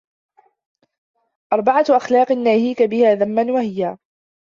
أَرْبَعَةُ أَخْلَاقٍ نَاهِيكَ بِهَا ذَمًّا وَهِيَ